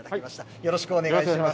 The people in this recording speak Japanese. よろしくお願いします。